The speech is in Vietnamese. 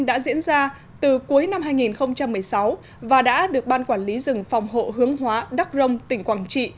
đã diễn ra từ cuối năm hai nghìn một mươi sáu và đã được ban quản lý rừng phòng hộ hướng hóa đắc rông tỉnh quảng trị